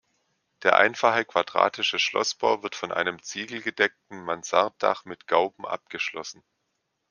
Der einfache, quadratische Schlossbau wird von einem ziegelgedeckten Mansarddach mit Gauben abgeschlossen.